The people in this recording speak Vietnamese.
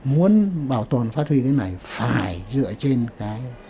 muốn bảo tồn phát huy cái này phải dựa trên cái